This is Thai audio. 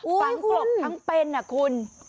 ฝังกลบทั้งเป็นนะคุณ